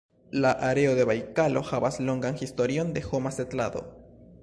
La areo de Bajkalo havas longan historion de homa setlado.